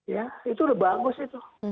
ya itu udah bagus itu